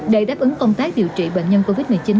để đáp ứng công tác điều trị bệnh nhân covid một mươi chín